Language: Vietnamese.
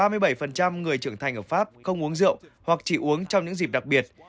nhiều người trưởng thành ở pháp không uống rượu hoặc chỉ uống trong những dịp đặc biệt